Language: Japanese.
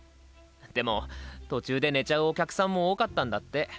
でも途中で寝ちゃうお客さんも多かったんだって。